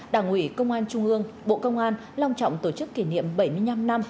đảng ủy công an trung ương bộ công an long trọng tổ chức kỷ niệm bảy mươi năm năm